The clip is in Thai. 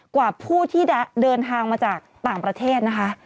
กว่าผู้ที่จะเดินทางมาจากต่างประเทศนะคะ